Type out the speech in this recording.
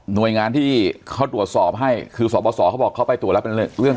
โดยงานที่เขาตรวจสอบให้คือสบสเขาบอกเขาไปตรวจแล้วเป็นเรื่อง